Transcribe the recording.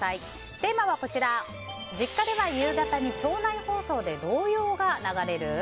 テーマは実家では夕方に町内放送で童謡が流れる？